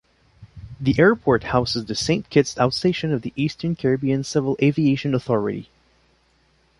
The airport houses the Saint Kitts Outstation of the Eastern Caribbean Civil Aviation Authority.